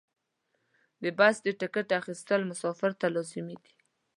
د بس د ټکټ اخیستل مسافر ته لازمي دي.